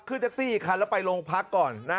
ขึ้นแท็กซี่อีกคันแล้วไปโรงพักก่อน